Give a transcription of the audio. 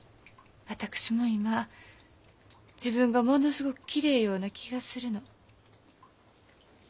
私も今自分がものすごくきれいような気がするの。